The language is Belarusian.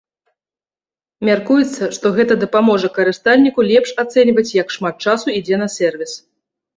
Мяркуецца, што гэта дапаможа карыстальніку лепш ацэньваць, як шмат часу ідзе на сервіс.